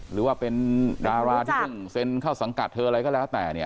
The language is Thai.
หรือว่าเป็นดาราที่เค้าสังกัดเธออะไรก็แล้วแต่เนี่ย